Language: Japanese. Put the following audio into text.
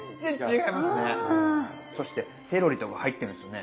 そしてセロリとか入ってるんですよね。